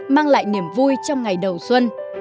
mang lại niềm vui trong ngày đầu xuân